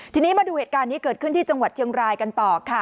ทีนี้มาดูเหตุการณ์นี้เกิดขึ้นที่จังหวัดเชียงรายกันต่อค่ะ